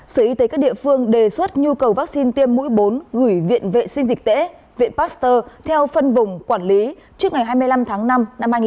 sở y tế các địa phương đề xuất nhu cầu vaccine tiêm mũi bốn gửi viện vệ sinh dịch tễ viện pasteur theo phân vùng quản lý trước ngày hai mươi năm tháng năm năm hai nghìn hai mươi